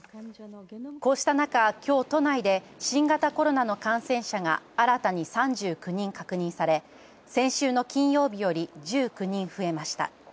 こうした中、きょう都内で新型コロナの感染者が新たに３９人確認され、先週の金曜日より１９人増えました。